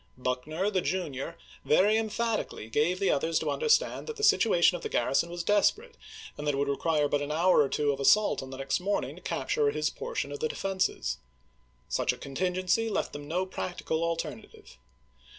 Buckner, the junior, very emphatically gave the others to understand that the situation of the garrison was desperate, and that it would re quire but an hour or two of assault on the next morning to capture his portion of the defenses. Such a contingency left them no practical alter native.